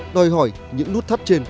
nói hỏi những nút thắt trên